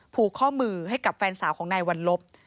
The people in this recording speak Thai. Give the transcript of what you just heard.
ผูกข้อมือให้กับแฟนสาวของนายวัลลบ